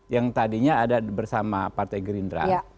yang tadinya ada bersama partai gerindra